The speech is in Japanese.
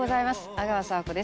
阿川佐和子です。